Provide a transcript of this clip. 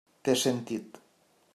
Té sentit.